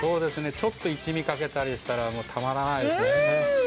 ちょっと一味かけたりしたら、もうたまらないですね。